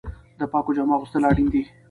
د پاکو جامو اغوستل اړین دي.